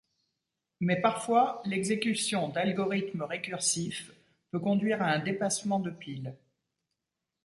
Mais parfois, l'exécution d'algorithmes récursifs peut conduire à un dépassement de pile.